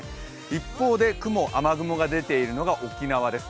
一方で、雲・雨雲が出ているのが沖縄です。